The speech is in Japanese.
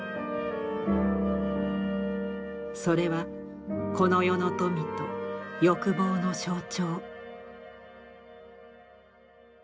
それはこの世の富と欲望の象徴。